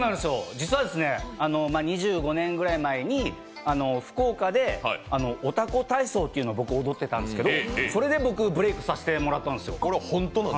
実は２５年ぐらい前に福岡で、おタコ体操っていうのを僕は踊っていたんですけどそれで僕、ブレークさせてもらったんです。